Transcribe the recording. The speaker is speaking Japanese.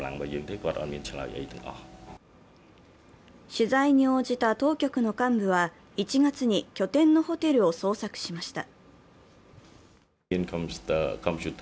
取材に応じた当局の幹部は、１月に拠点のホテルを捜索しました。